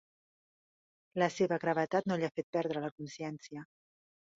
La seva gravetat no li ha fet perdre la consciència.